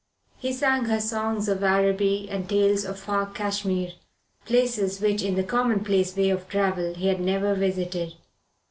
He sang her songs of Araby and tales of far Cashmere places which in the commonplace way of travel he had never visited.